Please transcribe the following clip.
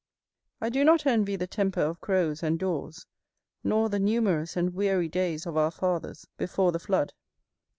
I do not envy the temper of crows and daws, nor the numerous and weary days of our fathers before the flood.